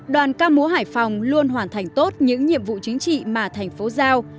đoàn ca múa hải phòng luôn hoàn thành tốt những nhiệm vụ chính trị mà thành phố giao